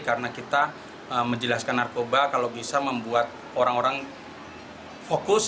karena kita menjelaskan narkoba kalau bisa membuat orang orang fokus